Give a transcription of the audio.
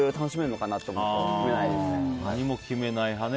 何も決めない派ね。